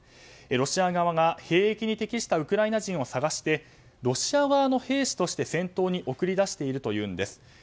ロシア側が兵役に適したウクライナ人を探してロシア側の兵士として戦闘に送り出しているというんです。